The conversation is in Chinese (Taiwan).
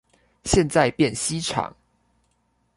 現在變西廠